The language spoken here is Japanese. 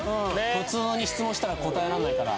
普通に質問したら答えられないから。